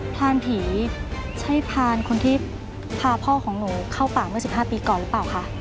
พรานผีใช่พรานคนที่พาพ่อของหนูเข้าป่าเมื่อ๑๕ปีก่อนหรือเปล่าคะ